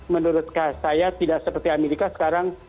menurut saya tidak seperti amerika sekarang